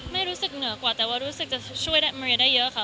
ไม่รู้สึกเหนือกว่าแต่ว่ารู้สึกจะช่วยมาได้เยอะค่ะ